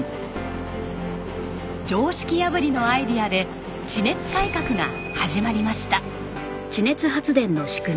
常識破りのアイデアで地熱改革が始まりました。